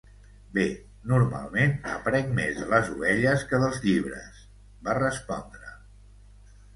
"Bé, normalment aprenc més de les ovelles que dels llibres", va respondre.